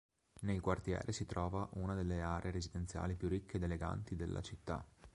Nel quartiere si trova una delle aree residenziali più ricche ed eleganti della città.